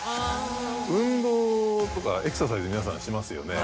運動とかエクササイズ皆さんしますよね。